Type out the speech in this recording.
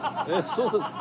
そうですか？